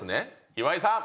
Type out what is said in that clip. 岩井さん。